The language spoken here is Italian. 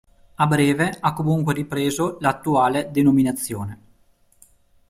A breve ha comunque ripreso l'attuale denominazione.